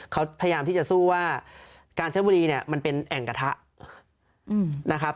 เขาพยายามที่จะสู้ว่ากาญชบุรีเนี่ยมันเป็นแอ่งกระทะนะครับ